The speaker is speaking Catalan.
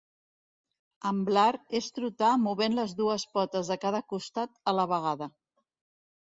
Amblar és trotar movent les dues potes de cada costat a la vegada.